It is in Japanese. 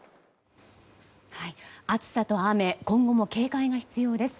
暑さと雨今後も警戒が必要です。